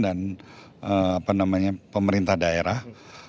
dan pemerintah daerah